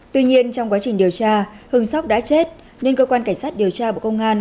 tuy nhiên trong quá trình điều tra hưng sóc đã chết nên cơ quan cảnh sát điều tra bộ công an